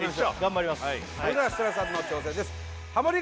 それでは設楽さんの挑戦ですハモリ